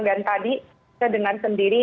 dan tadi saya dengar sendiri